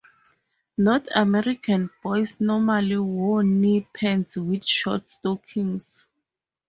North American boys normally wore knee pants with short stockings.